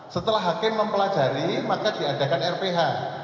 setelah hakim mempelajari maka diadakan rph